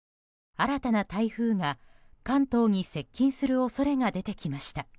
新たな台風が関東に接近する恐れが出てきました。